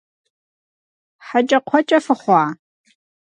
ХьэкӀэкхъуэкӀэ фыхъуа?!